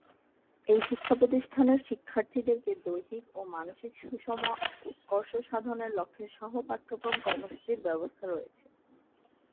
এই শিক্ষা প্রতিষ্ঠানের শিক্ষার্থীদেরকে দৈহিক ও মানসিক সুষম উৎকর্ষ সাধনের লক্ষ্যে সহ-পাঠ্যক্রম কর্মসূচির ব্যবস্থা রয়েছে।